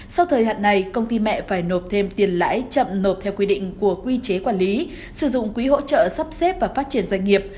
sau thời hạn này công ty mẹ phải nộp thêm tiền lãi chậm nộp theo quy định của quy chế quản lý sử dụng quỹ hỗ trợ sắp xếp và phát triển doanh nghiệp